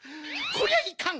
こりゃいかん！